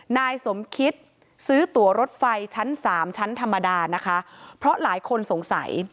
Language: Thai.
นายสมคิดซื้อตัวรถไฟชั้นสามชั้นธรรมดานะคะเพราะหลายคนสงสัย